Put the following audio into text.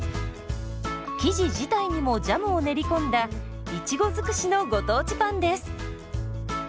生地自体にもジャムを練り込んだいちご尽くしのご当地パンです。